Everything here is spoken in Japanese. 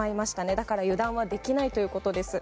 だから油断はできないということです。